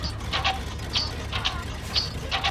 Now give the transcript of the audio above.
کوم مسایل په ژوند کي د انسان تمرکز له منځه وړي؟